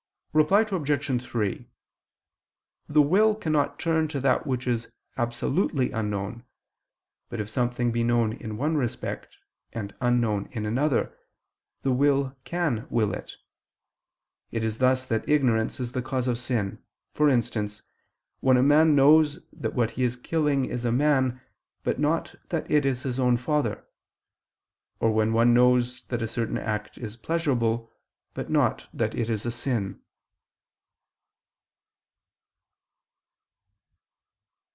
Reply Obj. 3: The will cannot turn to that which is absolutely unknown: but if something be known in one respect, and unknown in another, the will can will it. It is thus that ignorance is the cause of sin: for instance, when a man knows that what he is killing is a man, but not that it is his own father; or when one knows that a certain act is pleasurable, but not that it is a sin.